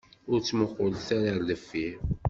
Ur ttmuqqulet ara ɣer deffir.